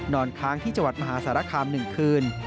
นอนค้างที่จังหวัดมหาสารคาม๑คืน